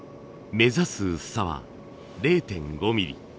目指す薄さは０．５ミリ。